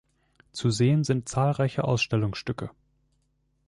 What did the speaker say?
Zu sehen sind zahlreiche Ausstellungsstücke.